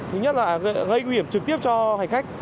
thứ nhất là gây nguy hiểm trực tiếp cho hành khách